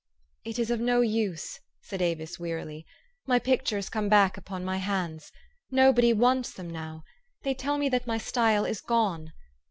." It is of no use," said Avis wearily, " my pictures come back upon my hands. Nobody wants them now. They tell me that my style is gone.